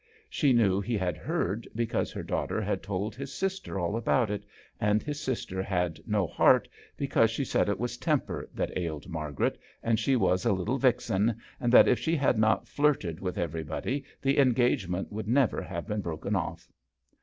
She knew he had heard because her daughter had told his sister all about it, and his sister had no heart, because she said it was temper that ailed Margaret, and she was a little vixen, and that if she had not flirted with everybody the engagement would never have been broken off.